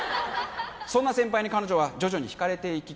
そんな先輩に彼女は徐々にひかれていき